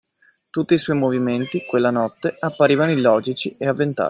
Tutti i suoi movimenti, quella notte, apparivano illogici e avventati;